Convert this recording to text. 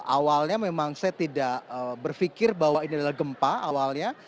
awalnya memang saya tidak berpikir bahwa ini adalah gempa awalnya